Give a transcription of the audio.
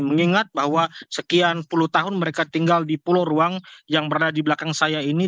mengingat bahwa sekian puluh tahun mereka tinggal di pulau ruang yang berada di belakang saya ini